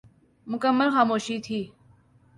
مکمل خاموشی تھی ۔